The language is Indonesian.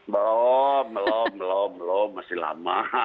belum belum belum loh masih lama